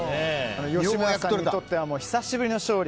吉村さんにとっては久しぶりの勝利。